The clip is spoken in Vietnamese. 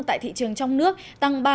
tại thị trường trong mặt hàng